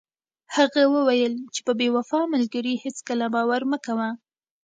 هغه وویل چې په بې وفا ملګري هیڅکله باور مه کوه.